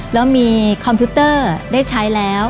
แล้วมีคอมพิวเตอร์ได้ใช้แล้ว